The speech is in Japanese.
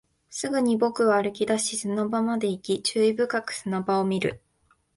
すぐに僕は歩き出し、砂場まで行き、注意深く砂場を見る